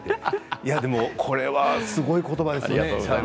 これはすごい言葉ですね。